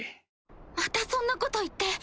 またそんなこと言って。